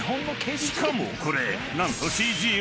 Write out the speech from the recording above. ［しかもこれ何と］